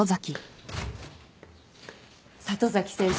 里崎先生